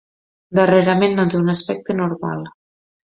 Darrerament no té un aspecte normal.